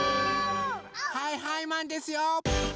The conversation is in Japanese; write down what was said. はいはいマンですよ！